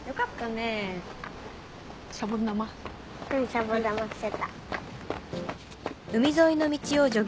シャボン玉してた。